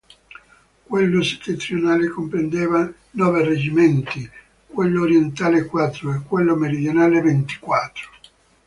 Quello settentrionale comprendeva nove reggimenti, quello orientale quattro e quello meridionale ventiquattro.